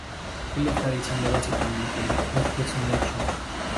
Él está diciendo básicamente, "Esto es un hecho.